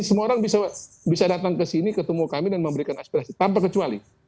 semua orang bisa datang ke sini ketemu kami dan memberikan aspirasi tanpa kecuali